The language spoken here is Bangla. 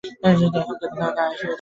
এখানকার প্রধান আয়ের উৎস হল কৃষি।